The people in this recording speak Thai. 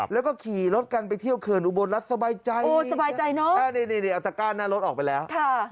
แล้วก็ขี่รถกันไปเที่ยวเผินอุบรณรัฐสบายใจนะอ๊ะนี่เอาตาก้าน่ารถออกไปแล้ว